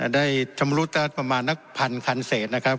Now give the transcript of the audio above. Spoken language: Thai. ได้ชำรุดประมาณนักพันคันเศษนะครับ